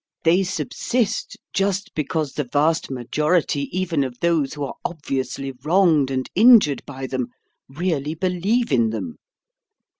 They subsist just because the vast majority even of those who are obviously wronged and injured by them really believe in them.